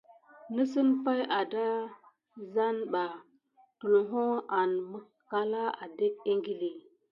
Nəsəŋ pay adazaneba tulho an mikalà adéke ékili.